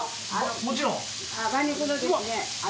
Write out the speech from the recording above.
もちろん。